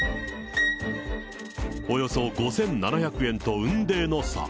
およそ５７００円と雲泥の差。